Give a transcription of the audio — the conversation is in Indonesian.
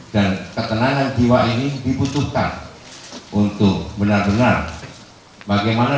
dan ketenangan jiwa ini dibutuhkan untuk benar benar bagaimana